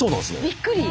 びっくり。